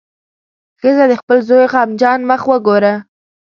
ښځه د خپل زوی غمجن مخ وګوره.